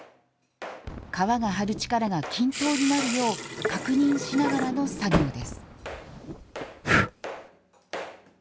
革が張る力が均等になるよう確認しながらの作業です。